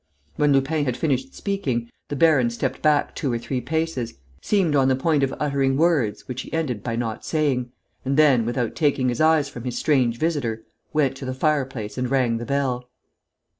When Lupin had finished speaking, the baron stepped back two or three paces, seemed on the point of uttering words which he ended by not saying, and then, without taking his eyes from his strange visitor, went to the fireplace and rang the bell.